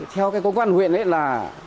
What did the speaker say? theo cái công an huyện ấy là